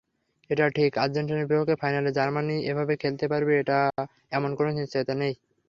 এটা ঠিক, আর্জেন্টিনার বিপক্ষে ফাইনালেও জার্মানি এভাবে খেলতে পারবে এমন কোনো নিশ্চয়তা নেই।